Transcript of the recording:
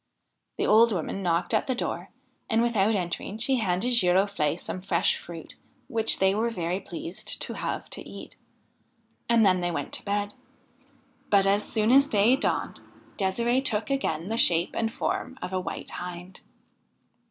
The old woman knocked at the door, and, without entering, she handed Giroflee some fresh fruit which they were very pleased to have to eat ; and then they went to bed. But, as soon as day dawned, De'sire'e took again the shape and form of a White Hind.